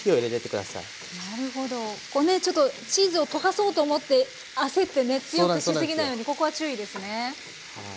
なるほどこうねちょっとチーズを溶かそうと思って焦ってね強くしすぎないようにここは注意ですね。